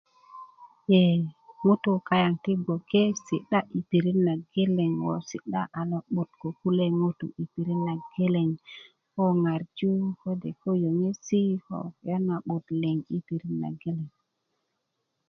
ee ŋutuu kaaŋ ti gboke si'da i pirit na geleŋ woo sida a lo'but ko kule' ŋutuu yi pirit na geleŋ koo ŋarju ko nye nu kulya na 'but liŋ i pirit na geleng